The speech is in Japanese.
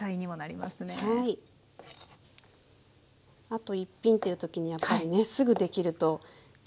あと一品っていう時にやっぱりねすぐできるといいですよね。